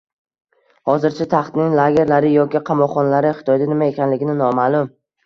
Hozircha To‘xtining lagerlari yoki qamoqxonalari Xitoyda nima ekanligi noma’lum